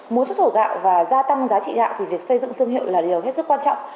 muốn xuất khẩu gạo và gia tăng giá trị gạo thì việc xây dựng thương hiệu là điều hết sức quan trọng